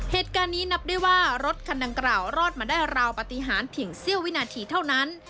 เหตุการณ์นี้นับได้ว่ารถคันดังกล่าวรอดมาได้ราวปฏิหารเพียงเสี้ยววินาทีเท่านั้น